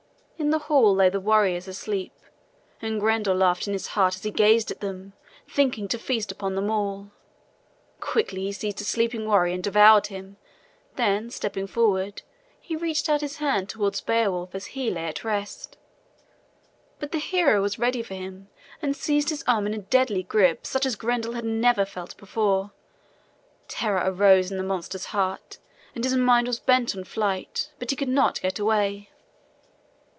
In the hall lay the warriors asleep, and Grendel laughed in his heart as he gazed at them, thinking to feast upon them all. Quickly he seized a sleeping warrior and devoured him; then, stepping forward, he reached out his hand towards Beowulf as he lay at rest. But the hero was ready for him, and seized his arm in a deadly grip such as Grendel had never felt before. Terror arose in the monster's heart, and his mind was bent on flight; but he could not get away.